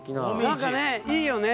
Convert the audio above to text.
なんかねいいよね。